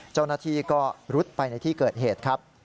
เจ้าหน้าที่ก็รุดไปในที่เกิดเหตุครับ